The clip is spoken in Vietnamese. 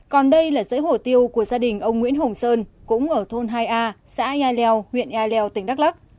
còn đây là giấy hồ tiêu của gia đình ông nguyễn hồng sơn cũng ở thôn hai a xã ea leo huyện ea leo tỉnh đắk lắc